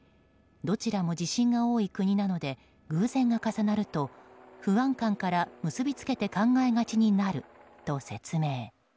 どちらも地震が多い国なので偶然が重なると不安感から結び付けて考えがちになると説明。